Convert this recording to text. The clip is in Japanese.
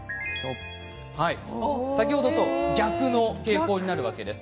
先ほどと逆の傾向になるわけです。